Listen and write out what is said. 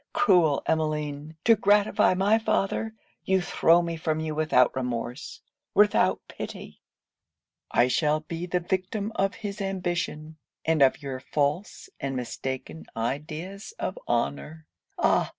Cruel Emmeline! to gratify my father you throw me from you without remorse, without pity. I shall be the victim of his ambition, and of your false and mistaken ideas of honour. 'Ah!